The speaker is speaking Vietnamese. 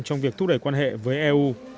trong việc thúc đẩy quan hệ với eu